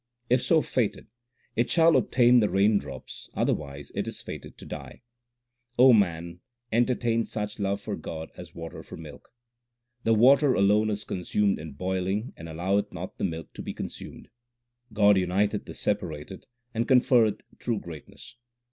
If so fated, it shall obtain the rain drops, otherwise it is fated to die. O man, entertain such love for God as water for milk. The water alone is consumed in boiling and alloweth not the milk to be consumed. God uniteth the separated, and conferreth true greatness.